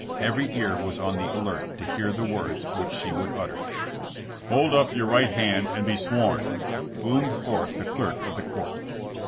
Every ear was on the alert to hear the words which she would utter. Hold up your right hand and be sworn," boomed forth the clerk of the court.